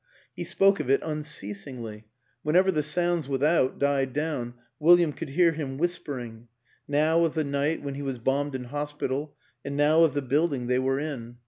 He spoke of it unceasingly; when ever the sounds without died down William could hear him whispering now of the night when he was bombed in hospital and now of the building they were in.